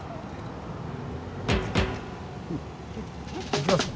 行きますか？